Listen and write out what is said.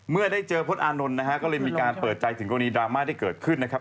เมื่อได้เจอพลตอานนท์นะฮะก็เลยมีการเปิดใจถึงกรณีดราม่าที่เกิดขึ้นนะครับ